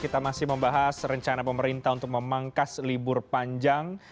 kita masih membahas rencana pemerintah untuk memangkas libur panjang